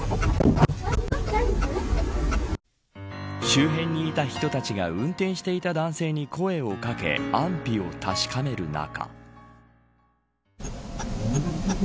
周辺にいた人たちが運転していた男性に声を掛け、安否を確かめる中。